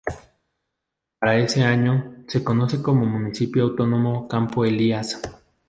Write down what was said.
Para ese año, se conoce como Municipio Autónomo Campo Elías.